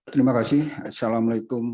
terima kasih assalamualaikum